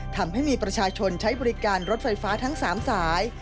ทำให้มีประชาชนใช้บริการรถไฟฟ้าทั้ง๓สาย